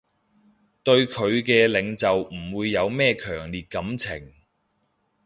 對佢嘅領袖唔會有咩強烈感情